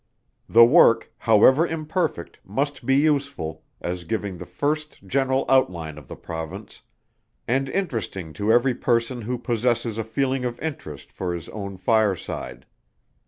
The Work, however imperfect, must be useful, as giving the first general outline of the Province, and interesting to every person who possesses a feeling of interest for his own fireside.